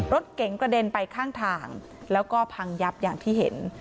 รถเก๋งกระเด็นไปข้างทางแล้วก็พังยับอย่างที่เห็น